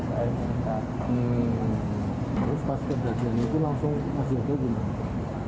terus pas ke daerah itu langsung masih ada gimana